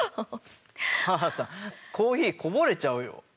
母さんコーヒーこぼれちゃうよ。